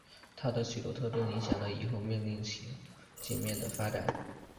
它的许多特征影响了以后命令行界面的发展。